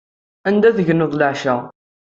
Anda tegneḍ leɛca?